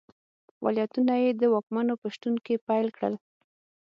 فعالیتونه یې د واکمنو په شتون کې پیل کړل.